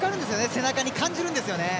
背中に感じるんですよね。